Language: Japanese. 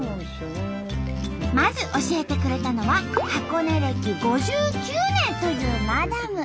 まず教えてくれたのは箱根歴５９年というマダム。